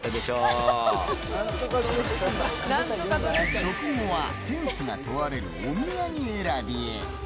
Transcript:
食後はセンスが問われるお土産選びへ。